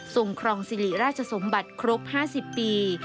ครองสิริราชสมบัติครบ๕๐ปี